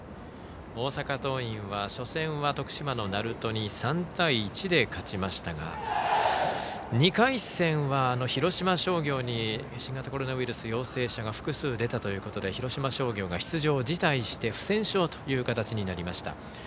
大阪桐蔭は初戦は徳島の鳴門に３対１で勝ちましたが２回戦は、広島商業に新型コロナウイルス陽性者が複数出たということで広島商業が出場を辞退して不戦勝という形になりました。